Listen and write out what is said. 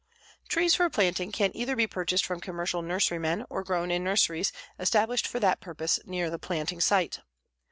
Trees for planting can either be purchased from commercial nurserymen or grown in nurseries established for that purpose near the planting site.